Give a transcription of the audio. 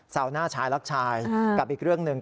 สาวหน้าชายรักชายกับอีกเรื่องหนึ่ง